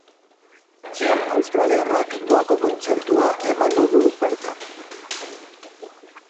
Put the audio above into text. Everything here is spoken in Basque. Australiarrak doako kontzertua emango du bertan.